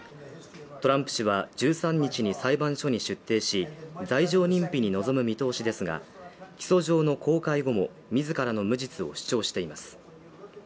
トランプ氏は１３日に裁判所に出廷し、罪状認否に臨む見通しですが起訴上の公開後も、自らの無実を主張しています。